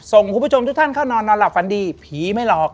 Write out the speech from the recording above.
คุณผู้ชมทุกท่านเข้านอนนอนหลับฝันดีผีไม่หลอก